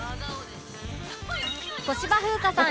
小芝風花さん